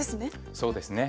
そうですね。